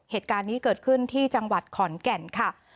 เหตุการณ์นี้เกิดขึ้นที่จังหวัดขอนแก่นค่ะ